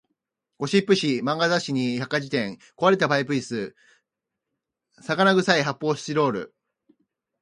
ゴシップ誌、漫画雑誌に百科事典、壊れたパイプ椅子、魚臭い発砲スチロール